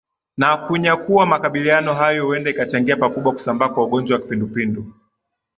na kunyakuwa makabiliano hayo huenda ikachangia pakubwa kusambaa kwa ugonjwa wa kipindupindu